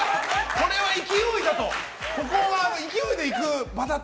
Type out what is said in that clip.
これは勢いだと。